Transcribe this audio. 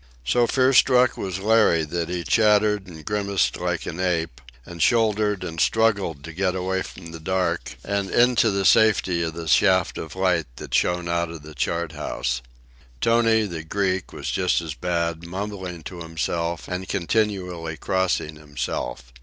So fear struck was Larry that he chattered and grimaced like an ape, and shouldered and struggled to get away from the dark and into the safety of the shaft of light that shone out of the chart house. Tony, the Greek, was just as bad, mumbling to himself and continually crossing himself.